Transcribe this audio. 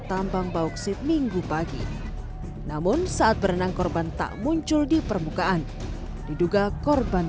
tambang bauksit minggu pagi namun saat berenang korban tak muncul di permukaan diduga korban